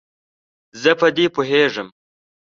زه په دې پوهیږم.